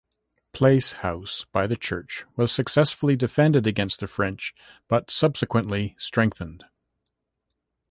Place House, by the church, was successfully defended against the French but subsequently strengthened.